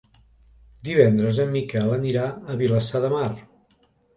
Divendres en Miquel anirà a Vilassar de Mar.